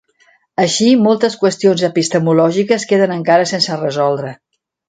Així moltes qüestions epistemològiques queden encara sense resoldre.